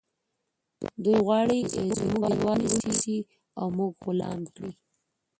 دوی غواړي زموږ هیواد ونیسي او موږ غلام کړي